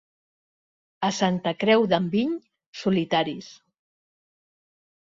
A Santa Creu d'Enviny, solitaris.